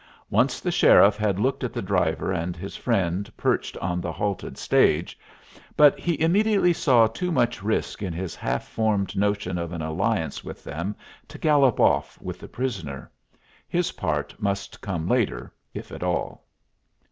Once the sheriff had looked at the driver and his friend perched on the halted stage, but he immediately saw too much risk in his half formed notion of an alliance with them to gallop off with the prisoner; his part must come later, if at all.